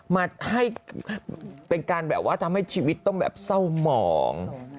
มาให้เป็นการแบบว่าทำให้ชีวิตต้องแบบเศร้าหมอง